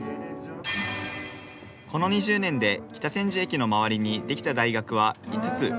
この２０年で北千住駅の周りに出来た大学は５つ。